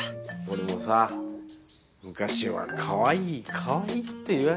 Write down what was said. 俺もさ昔はかわいいかわいいって言われたんだよ。